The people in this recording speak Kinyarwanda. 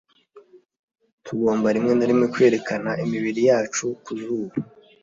tugomba rimwe na rimwe kwerekana imibiri yacu ku zuba